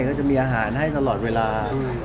ก็จะมีอาหารให้ตลอดเวลา